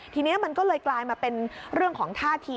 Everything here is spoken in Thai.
ทีนี้มันก็เลยกลายมาเป็นเรื่องของท่าที